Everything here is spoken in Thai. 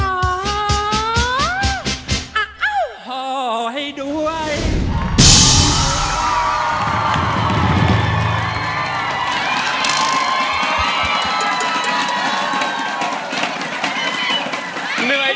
อ้าวอ้าวพ่อให้ด้วย